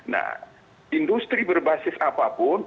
nah industri berbasis apapun